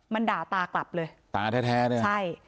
มันด่าตากลับเลยตาแท้เนี่ยใช่